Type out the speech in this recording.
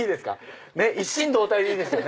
一心同体でいいですよね。